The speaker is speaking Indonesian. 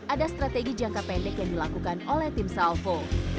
ada strategi jangka pendek yang dilakukan oleh tim salvo